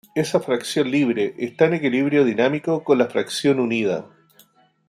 Esa fracción libre está en equilibrio dinámico con la fracción unida.